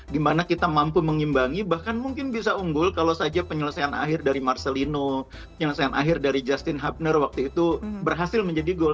dimana kita mampu mengimbangi bahkan mungkin bisa unggul kalau saja penyelesaian akhir dari marcelino penyelesaian akhir dari justin hubner waktu itu berhasil menjadi goal